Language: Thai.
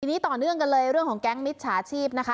ทีนี้ต่อเนื่องกันเลยเรื่องของแก๊งมิจฉาชีพนะคะ